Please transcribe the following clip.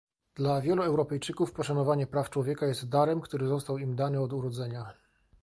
Dla wielu Europejczyków poszanowanie praw człowieka jest darem, który został im dany od urodzenia